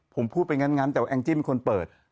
ผมพูดไปงั้นแต่ว่าแองจี้เป็นคนเปิด